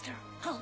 あ。